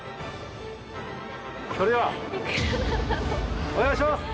それではお願いします。